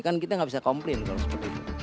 kan kita nggak bisa komplain kalau seperti itu